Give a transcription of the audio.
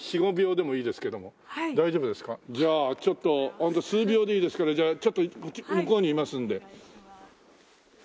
ホント数秒でいいですからじゃあちょっと向こうにいますんで。